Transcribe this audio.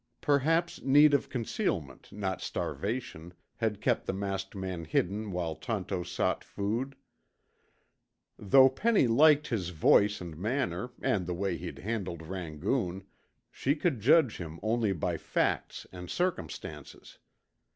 Perhaps need of concealment, not starvation, had kept the masked man hidden while Tonto sought food. Though Penny liked his voice and manner and the way he'd handled Rangoon, she could judge him only by facts and circumstances.